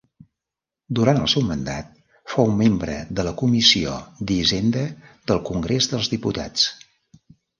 Durant el seu mandat fou membre de la Comissió d'Hisenda del Congrés dels Diputats.